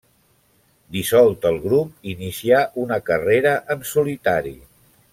Dissolt el grup, inicià una carrera en solitari.